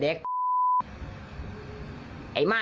โจทย์กับกว้าย